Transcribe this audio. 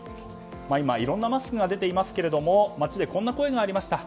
今いろんなマスクが出ていますが街でこんな声がありました。